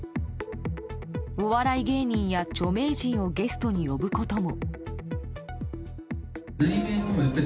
お笑い芸人や著名人をゲストに呼ぶことも。